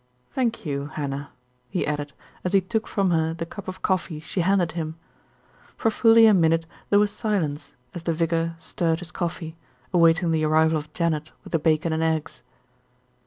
Thank you, Hannah," he added, as he took from her the cup of coffee she handed him. For fully a minute there was silence as the vicar stirred his coffee, awaiting the arrival of Janet with the bacon and eggs.